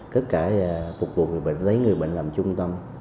tất cả phục vụ người bệnh lấy người bệnh làm trung tâm